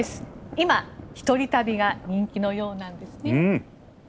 今、一人旅が人気のようなんですね。